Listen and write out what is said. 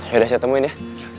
yaudah saya temuin ya